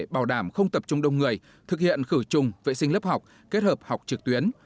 bảo đảm không tập trung đông người thực hiện khử trùng vệ sinh lớp học kết hợp học trực tuyến